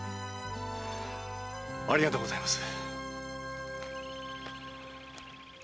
ありがとうございます。